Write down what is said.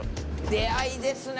出会いですね